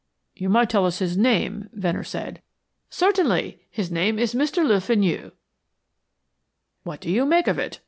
"You might tell us his name," Venner said. "Certainly. His name is Mr. Le Fenu." "What do you make of it?"